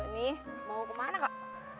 jonny mau kemana kak